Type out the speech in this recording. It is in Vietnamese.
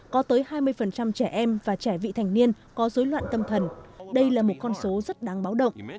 có tới hai mươi trẻ em và trẻ vị thành niên có dối loạn tâm thần đây là một con số rất đáng báo động